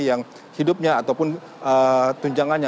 yang hidupnya ataupun tunjangannya